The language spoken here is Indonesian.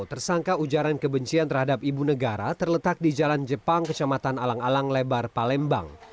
tersangka ujaran kebencian terhadap ibu negara terletak di jalan jepang kecamatan alang alang lebar palembang